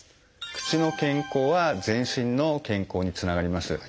口の健康は全身の健康につながります。